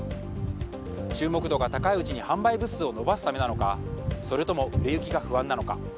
注目度が高いうちに販売部数を伸ばすためなのかそれとも売れ行きが不安なのか？